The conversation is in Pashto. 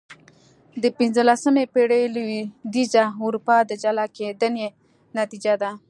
د پنځلسمې پېړۍ لوېدیځه اروپا د جلا کېدنې نتیجه ده.